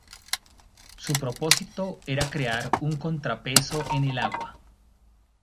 Su propósito era crear un contrapeso en el agua.